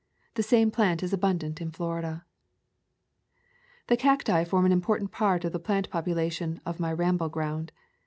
The same plant is abundant in Florida. The cacti form an important part of the plant population of my ramble ground.